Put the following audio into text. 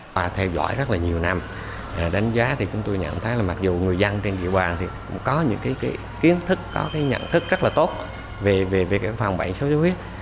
và theo dõi rất là nhiều năm đánh giá thì chúng tôi nhận thấy là mặc dù người dân trên địa bàn thì cũng có những cái kiến thức có cái nhận thức rất là tốt về việc phòng bệnh sốt xuất huyết